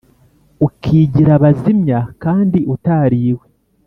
ukigira bazimya kandi utariwe